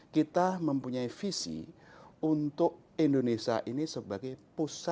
kita mempunyai visi untuk indonesia ini sebuah keuangan syariah yang berbeda dan berbeda dengan keuangan syariah